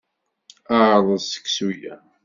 Ɛreḍ seksu-a.